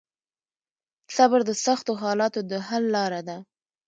صبر د سختو حالاتو د حل لار ده.